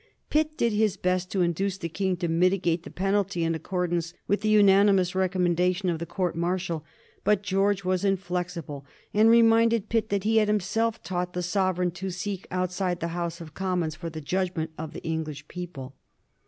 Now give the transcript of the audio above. Pitt did his best to induce the King to mit igate the penalty in accordance with the unanimous rec ommendation of the court martial; but George was in flexible, and reminded Pitt that he had himself taught the Sovereign to seek outside the House of Commons for the judgment of the English people.